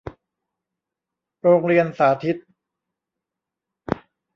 โรงเรียนสาธิต